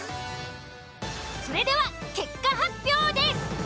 それでは結果発表です。